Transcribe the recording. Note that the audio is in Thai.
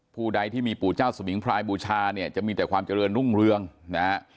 ผู้ใดที่มีปู่เจ้าสมิงพรายบูชาเนี่ยจะมีแต่ความเจริญรุ่งเรืองนะฮะ